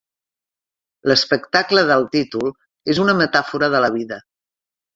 L'espectacle del títol és una metàfora de la vida.